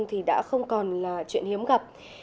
thì đã không còn là chuyện hiếm gặp